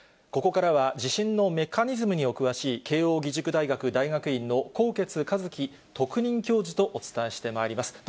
ここからは、地震のメカニズムにお詳しい、慶応義塾大学大学院の纐纈一起特任教授とお伝えしてまいります。